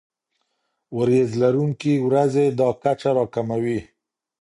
وریځ لرونکي ورځې دا کچه راکموي.